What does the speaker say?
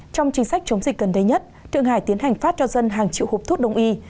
trong chính sách chống dịch gần đây nhất thượng hải tiến hành phát cho dân hàng triệu hộp thuốc đông y